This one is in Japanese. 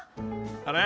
［あれ？］